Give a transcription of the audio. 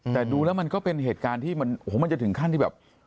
แต่ดูแล้วมันก็เป็นเหตุการณ์ที่มันโอ้โหมันจะถึงขั้นที่แบบ